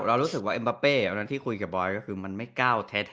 เรารู้สึกว่าเอ็มบัปเป้ที่คุยกับบอยล์ก็คือมันไม่ก้าวแท้